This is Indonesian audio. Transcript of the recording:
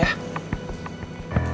kau bisa tapi